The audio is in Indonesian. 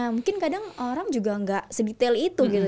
mungkin kadang orang juga gak se detail itu gitu